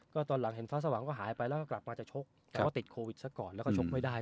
ก็ตอนหลังเห็นฟ้าสว่างก็หายไปแล้วก็กลับมาจะชกแต่ว่าติดโควิดซะก่อนแล้วก็ชกไม่ได้